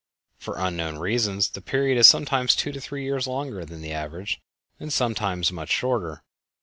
For unknown reasons the period is sometimes two or three years longer than the average and sometimes as much shorter.